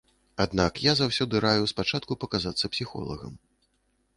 Аднак я заўсёды раю спачатку паказацца псіхолагам.